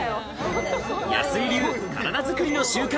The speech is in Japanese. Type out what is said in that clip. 安井流、体作りの習慣。